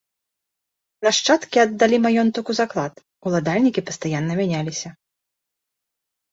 Нашчадкі аддалі маёнтак у заклад, уладальнікі пастаянна мяняліся.